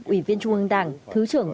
ủy viên trung ương đảng thứ trưởng